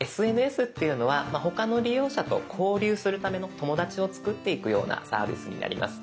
ＳＮＳっていうのは他の利用者と交流するための友だちを作っていくようなサービスになります。